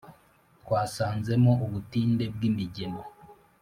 twasanzemo ubutinde bwi migemo: